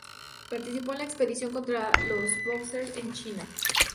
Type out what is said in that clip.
Participó en la expedición contra los bóxer en China.